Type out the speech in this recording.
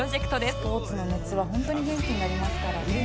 「スポーツの熱はホントに元気になりますからね」